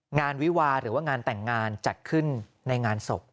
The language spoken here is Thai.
งานวิวาหรือว่างานแต่งงานจัดขึ้นในงานศพ